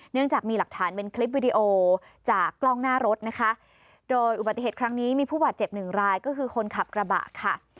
เนื่องจากมีหลักฐานเป็นคลิปวิดีโอจากกล้องหน้ารถนะคะโดยอุบัติเหตุครั้งนี้มีผู้บาดเจ็บหนึ่งรายก็คือคนขับกระบะค่ะ